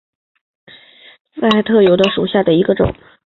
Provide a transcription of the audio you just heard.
短萼紫锤草为桔梗科铜锤玉带属下的一个种。